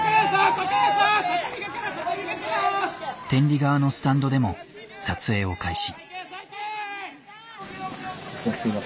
天理側のスタンドでも撮影を開始。